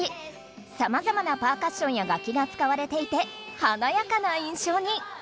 さまざまなパーカッションや楽器がつかわれていてはなやかないんしょうに。